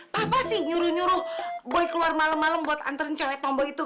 papa sih nyuruh nyuruh boy keluar malem malem buat anterin cewek tombol itu